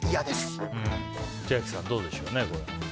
千秋さん、どうでしょう。